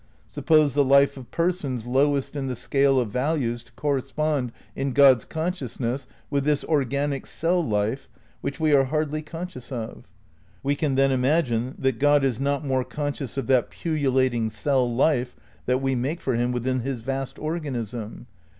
Suppose the life of persons lowest in the scale of values to correspond in God's consciousness with this organic cell life which we are hardly conscious of; we can then imagine that God is not more conscious of that pullulating cell life that we make for him within his vast organism.